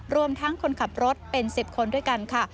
รวมทั้งคนขับรถเป็น๑๐คนด้วยกันค่ะ